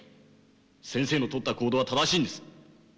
先生のとった行動は正しいんです。